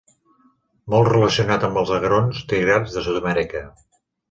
Molt relacionat amb els agrons tigrats de Sud-amèrica.